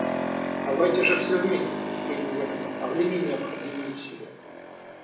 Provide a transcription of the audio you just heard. Давайте же все вместе предпримем в этом направлении необходимые усилия.